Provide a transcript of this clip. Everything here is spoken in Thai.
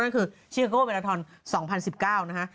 นั่นคือชิคกี้พายมาลัทธรณ์๒๐๑๙นะฮะ